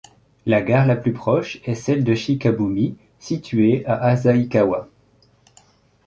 La gare la plus proche est celle de Chikabumi située à Asahikawa.